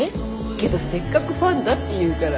けどせっかくファンだって言うから。